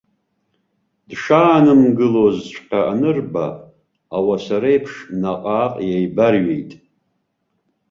Дшаанымгылозҵәҟьа анырба, ауаса реиԥш наҟ-ааҟ еибарҩит.